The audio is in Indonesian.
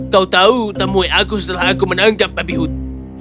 kau tahu temui aku setelah aku menangkap babi hutan